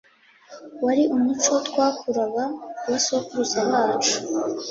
wari umuco twakuraga ku basokuruza bacu